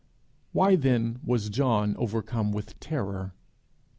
Why then was John overcome with terror?